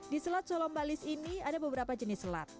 di selat solombalis ini ada beberapa jenis selat